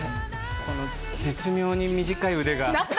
この絶妙に短い腕が。